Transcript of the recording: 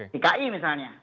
di ki misalnya